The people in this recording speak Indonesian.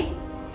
halo mas randi